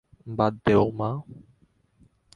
বাদ দেও, মা।